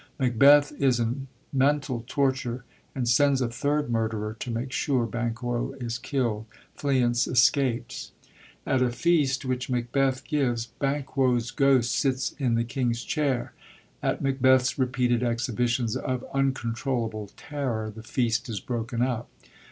Macbeth is in mental torture, and sends a third murderer to make sure. Banquo is killd; Fleance escapes. At a feast which Macbeth gives, Banquo's ghost sits in the king's chair. At Macbeth's repeated exhibitions of uncontrollable terror the feast is broken up.